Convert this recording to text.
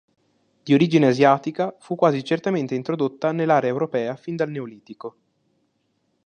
Di origine asiatica, fu quasi certamente introdotta nell'area europea fin dal neolitico.